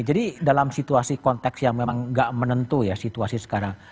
jadi dalam situasi konteks yang memang gak menentu ya situasi sekarang